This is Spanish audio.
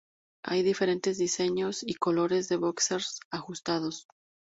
Hay diferentes diseños y colores de boxers ajustados.